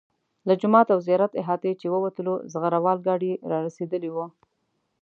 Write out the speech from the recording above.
له جومات او زیارت احاطې چې ووتلو زغره وال ګاډي را رسېدلي وو.